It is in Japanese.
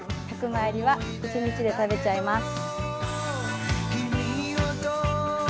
１００枚入りは一日で食べちゃいます